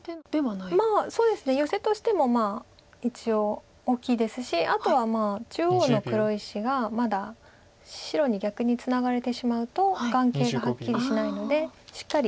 ヨセとしても一応大きいですしあとは中央の黒石がまだ白に逆にツナがれてしまうと眼形がはっきりしないのでしっかり生きた手です。